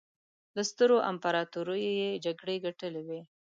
له سترو امپراطوریو یې جګړې ګټلې وې.